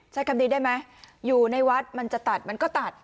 ใช้คำนี้ได้ไหมอยู่ในวัดมันจะตัดมันก็ตัด